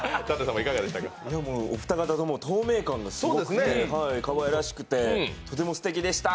お二方とも透明感がすごくて、かわいらしくて、とてもすてきでした。